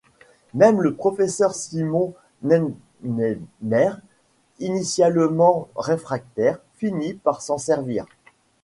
Même le professeur Simon Ninheimer, initialement réfractaire, finit par s'en servir.